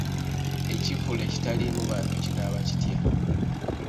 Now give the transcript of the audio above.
Ekivvulu ekitaliimu bantu kinaaba kitya?